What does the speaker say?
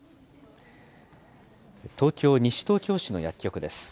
東京・西東京市の薬局です。